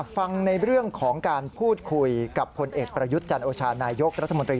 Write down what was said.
ฟังในเรื่องของการพูดคุยกับพลเอกประยุทธ์จันโอชานายกรัฐมนตรี